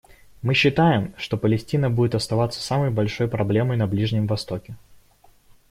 Мы считаем, что Палестина будет оставаться самой большой проблемой на Ближнем Востоке.